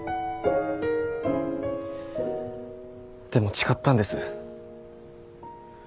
でも誓ったんです。